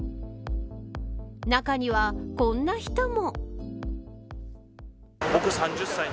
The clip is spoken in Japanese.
中にはこんな人も。